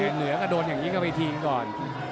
เหนือก็โดนอย่างนี้ก็ไปทีก่อน